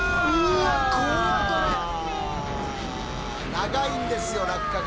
長いんですよ落下が。